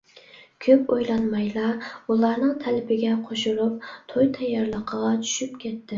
كۆپ ئويلانمايلا ئۇلارنىڭ تەلىپىگە قوشۇلۇپ توي تەييارلىقىغا چۈشۈپ كەتتىم.